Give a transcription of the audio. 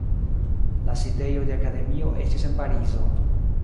La sidejo de akademio estis en Parizo.